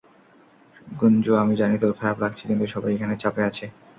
গুঞ্জু আমি জানি তোর খারাপ লাগছে কিন্তু সবাই এখানে চাপে আছে।